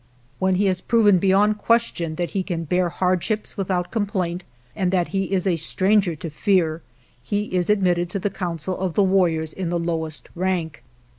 When he has proven beyond question that he can bear hardships without complaint, and that he is a stranger to fear, he is ad mitted to the council of the warriors in the lowest rank.